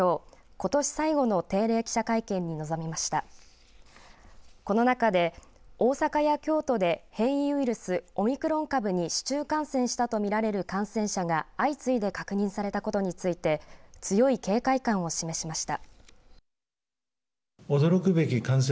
この中で大阪や京都で変異ウイルスオミクロン株に市中感染したとみられる感染者が相次いで確認されたことについて強い警戒感を示しました。